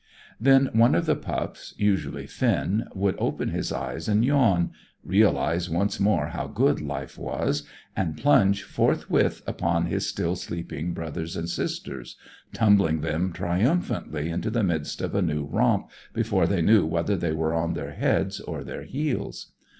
Then one of the pups, usually Finn, would open his eyes and yawn, realize once more how good life was, and plunge forthwith upon his still sleeping brothers and sisters, tumbling them triumphantly into the midst of a new romp before they knew whether they were on their heads or their heels.